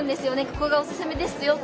ここがおすすめですよ」。